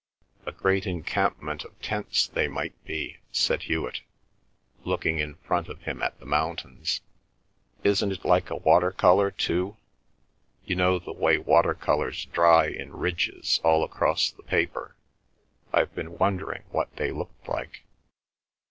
"A great encampment of tents they might be," said Hewet, looking in front of him at the mountains. "Isn't it like a water colour too—you know the way water colours dry in ridges all across the paper—I've been wondering what they looked like."